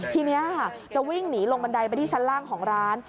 ทีนี้ค่ะจะวิ่งหนีลงบันไดไปที่ชั้นล่างของร้าน